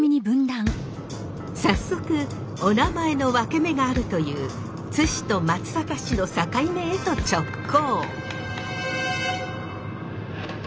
早速おなまえのワケメがあるという津市と松阪市の境目へと直行。